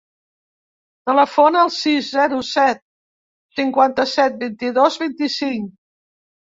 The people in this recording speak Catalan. Telefona al sis, zero, set, cinquanta-set, vint-i-dos, vint-i-cinc.